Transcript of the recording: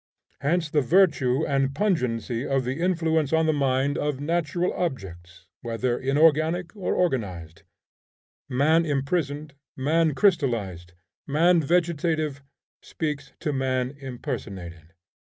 Hence the virtue and pungency of the influence on the mind of natural objects, whether inorganic or organized. Man imprisoned, man crystallized, man vegetative, speaks to man impersonated.